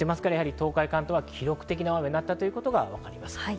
東海、関東は記録的大雨になったことがわかります。